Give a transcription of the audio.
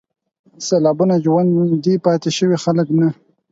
سېلابونو ژوندي پاتې شوي خلک نه